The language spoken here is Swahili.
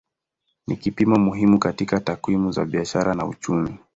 Ni kipimo muhimu katika takwimu za biashara na uchumi.